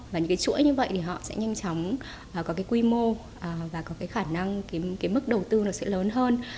và những chuỗi như vậy thì họ sẽ nhanh chóng có quy mô và có khả năng mức đầu tư sẽ lớn hơn